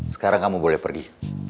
sekarang kamu boleh pergi